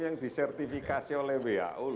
yang disertifikasi oleh who